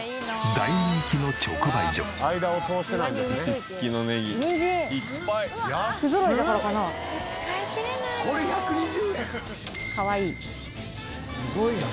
すごい。